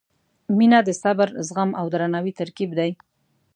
• مینه د صبر، زغم او درناوي ترکیب دی.